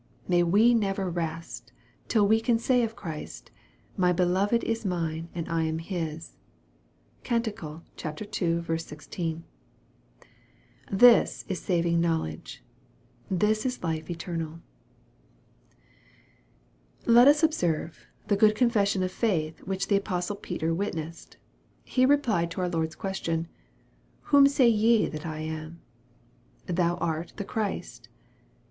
May we never rest till we can say of Christ, " My beloved is mine and I am His." (Cant. ii. 16.) This is saving knowledge. This is life eternal. Let us observe the good confession of faith which the apostle Peter witnessed. He replied to our Lord's question, " Whom say ye that I am ?"" Thou art the Christ."